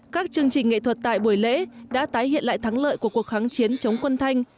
các chương trình nghệ thuật tại buổi lễ đã tái hiện lại thắng lợi của cuộc kháng chiến chống quân thanh